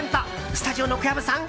スタジオの小籔さん！